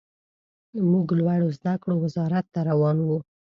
موږ لوړو زده کړو وزارت ته روان وو.